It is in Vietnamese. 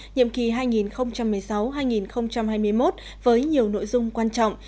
nhiệm kỳ hai nghìn một mươi sáu hai nghìn hai mươi một với nhiều nội dung quan trọng